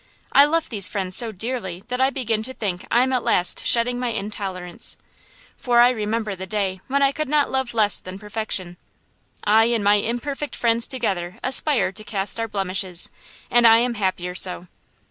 I love these friends so dearly that I begin to think I am at last shedding my intolerance; for I remember the day when I could not love less than perfection. I and my imperfect friends together aspire to cast our blemishes, and I am happier so.